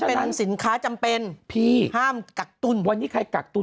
เป็นสินค้าจำเป็นพี่ห้ามกักตุ้นวันนี้ใครกักตุ้น